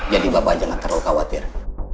jadi bapak jangan terlalu khawatir